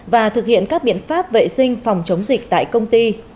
và thực hiện các biện pháp vệ sinh phòng chống dịch tại công ty